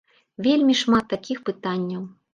Вельмі шмат такіх пытанняў.